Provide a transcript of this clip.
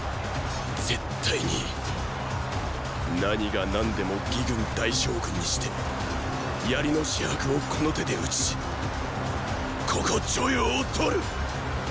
絶対に何が何でも魏軍大将軍にして“槍の紫伯”をこの手で討ちここ著雍を取る！